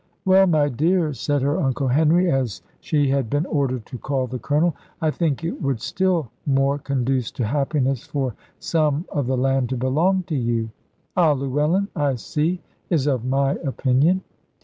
"Well, my dear," said her Uncle Henry, as she had been ordered to call the Colonel, "I think it would still more conduce to happiness for some of the land to belong to you. Ah, Llewellyn, I see, is of my opinion."